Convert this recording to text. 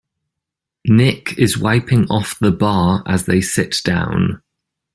Nick is wiping off the bar as they sit down.